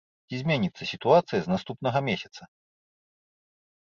Ці зменіцца сітуацыя з наступнага месяца?